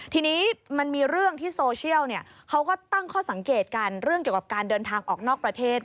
ทีนี้มันมีเรื่องที่โซเชียลเขาก็ตั้งข้อสังเกตกันเรื่องเกี่ยวกับการเดินทางออกนอกประเทศ